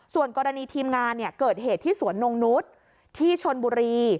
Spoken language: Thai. ส่วนกรณีทีมงานเกิดเหตุที่สวนนงนุษย์ที่ชนบุรี